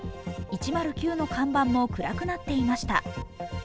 １０９の看板も暗くなっていました。